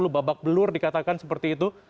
babak belur dikatakan seperti itu